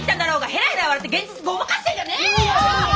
ヘラヘラ笑って現実ごまかしてんじゃねえよ！